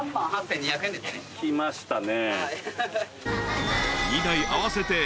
きましたね。